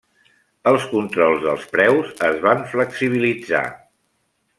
Els controls dels preus es van flexibilitzar.